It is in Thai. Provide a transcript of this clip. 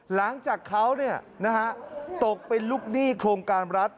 หลังจากเขาตกเป็นลูกหนี้โครงการรัฐ